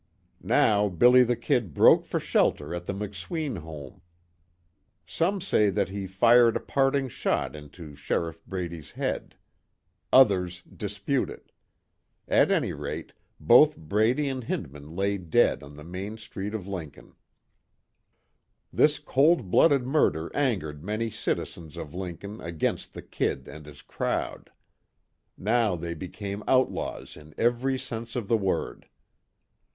Now "Billy the Kid" broke for shelter at the McSween home. Some say that he fired a parting shot into Sheriff Brady's head. Others dispute it. At any rate both Brady and Hindman lay dead on the main street of Lincoln. This cold blooded murder angered many citizens of Lincoln against the "Kid" and his crowd. Now they became outlaws in every sense of the word.